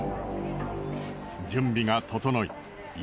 準備が整い